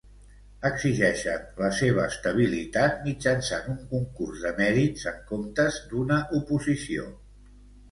Exigeixen la seva estabilitat mitjançant un concurs de mèrits en comptes d'una oposició.